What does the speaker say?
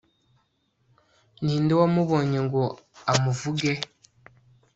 ni nde wamubonye ngo amuvuge